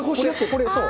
これ、そう。